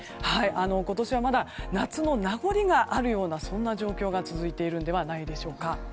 今年はまだ夏の名残があるようなそんな状況が続いているのではないでしょうか。